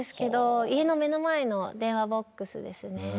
家の目の前の電話ボックスですね。